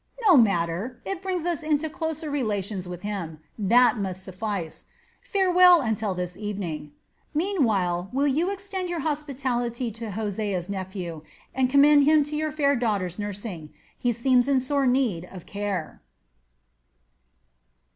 "No matter! It brings us into closer relations with him. That must suffice. Farewell until this evening. Meanwhile, will you extend your hospitality to Hosea's nephew and commend him to your fair daughter's nursing; he seems in sore need of care."